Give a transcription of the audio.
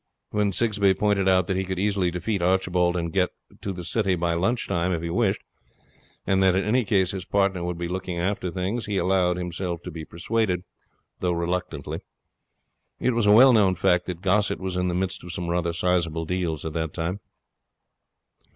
When Sigsbee pointed out that he could easily defeat Archibald and get to the city by lunch time if he wished, and that in any case his partner would be looking after things, he allowed himself to be persuaded, though reluctantly. It was a well known fact that Gossett was in the midst of some rather sizeable deals at that time.